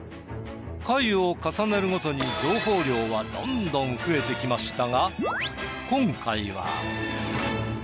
回を重ねるごとに情報量はドンドン増えてきましたが今回は。